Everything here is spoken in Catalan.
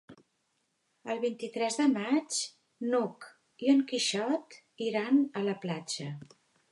El vint-i-tres de maig n'Hug i en Quixot iran a la platja.